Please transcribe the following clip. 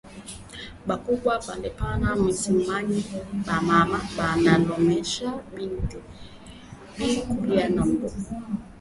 Ba kubwa bale bana shimamiya ba mama, bana lombesha bintu bia kurima nabio